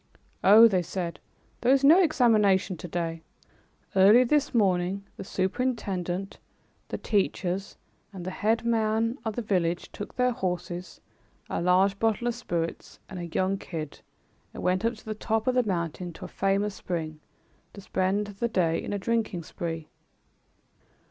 "Oh," they said, "there is no examination to day. Early this morning, the superintendent, the teachers and the headman of the village took their horses, a large bottle of spirits and a young kid, and went up to the top of the mountain to a famous spring to spend the day in a drinking spree."